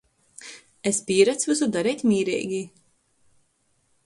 Es pīrads vysu dareit mīreigi.